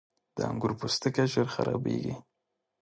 • د انګور پوستکی ژر خرابېږي.